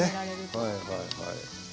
はいはいはい。